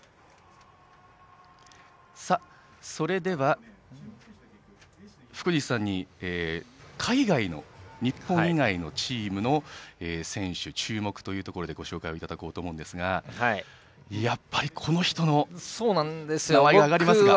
それでは、福西さんに海外の日本以外のチームの選手を注目ということでご紹介をいただこうと思うんですがやっぱりこの人の名前が挙がりますか。